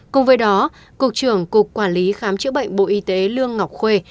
cùng với đó cục trưởng cục quản lý khám chữa bệnh bộ y tế lương ngọc khuê